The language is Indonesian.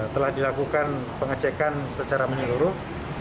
telah dilakukan pengecekan secara menyeluruh